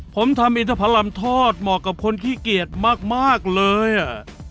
ผมทำอินทพรัมทอดเหมาะกับคนขี้เกียจมากเลยอ่ะ